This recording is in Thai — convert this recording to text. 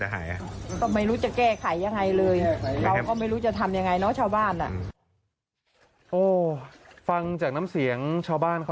เราก็ไม่รู้จะทำยังไงเนอะชาวบ้าน